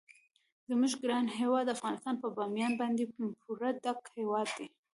زموږ ګران هیواد افغانستان په بامیان باندې پوره ډک هیواد دی.